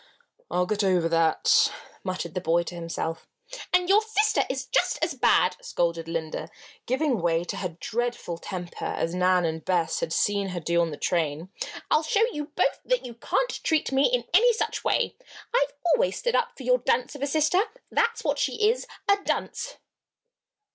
"I'll get over that," muttered the boy to himself. "And your sister is just as bad!" scolded Linda, giving way to her dreadful temper as Nan and Bess had seen her do on the train. "I'll show you both that you can't treat me in any such way. I've always stood up for your dunce of a sister. That's what she is, a dunce!"